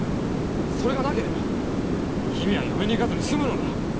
それがなければ姫は嫁に行かずにすむのだ！